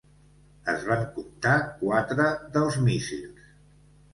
Es van comptar quatre dels míssils.